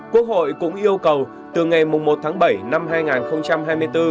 quốc hội cũng yêu cầu từ ngày một tháng bảy năm hai nghìn hai mươi bốn